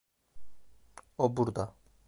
O burada.